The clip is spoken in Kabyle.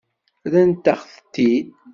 Rrant-aɣ-tent-id.